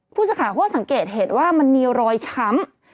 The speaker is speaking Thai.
ผู้สาขาโครงสังเกตเห็นว่ามันมีรอยช้ำ